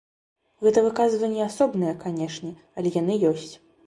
Гэта выказванні асобныя, канешне, але яны ёсць.